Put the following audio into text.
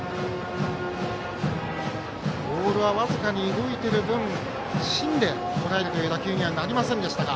ボールは僅かに動いている分芯でとらえる打球にはなりませんでしたが。